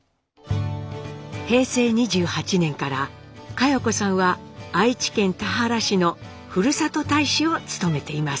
平成２８年から佳代子さんは愛知県田原市の「ふるさと大使」を務めています。